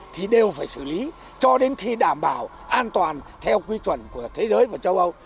thì đều phải xử lý cho đến khi đảm bảo an toàn theo quy chuẩn của thế giới và châu âu